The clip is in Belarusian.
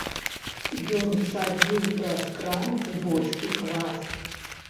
Ён цадзіў праз кран з бочкі квас.